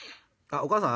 お母さん？